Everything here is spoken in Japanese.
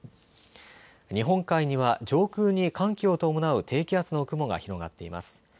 日本海には上空に寒気を伴う低気圧の雲が広がっています。